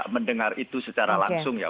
mendengar itu secara langsung ya